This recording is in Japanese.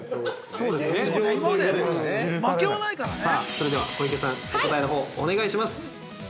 ◆それでは、小池さんお答えのほう、お願いします。